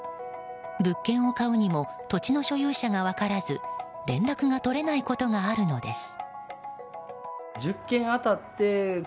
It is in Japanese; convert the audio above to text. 物件を買うにも土地の所有者が分からず連絡が取れないことがあるのです。